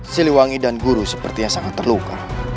siliwangi dan guru sepertinya sangat terluka